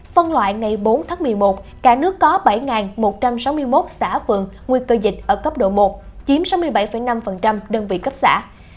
phân loại ngày bốn tháng một mươi một cả nước có bảy một trăm sáu mươi một xã phường nguy cơ dịch ở cấp độ một chiếm sáu mươi bảy năm đơn vị cấp xã